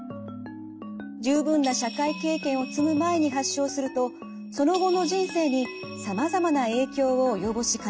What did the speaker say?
十分な社会経験を積む前に発症するとその後の人生にさまざまな影響を及ぼしかねません。